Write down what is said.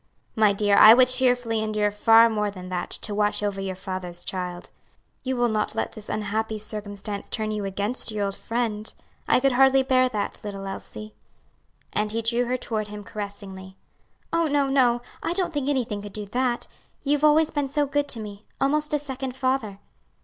"My dear, I would cheerfully endure far more than that, to watch over your father's child. You will not let this unhappy circumstance turn you against your old friend? I could hardly bear that, little Elsie." And he drew her toward him caressingly. "Oh, no, no! I don't think anything could do that; you've always been so good to me almost a second father."